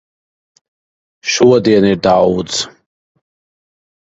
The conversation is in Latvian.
Šodien ir daudz.